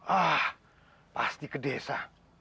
ah pasti ke desa